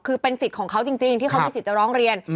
คือเป็นสิทธิ์ของเขาจริงที่เขามีสิทธิ์จะร้องเรียน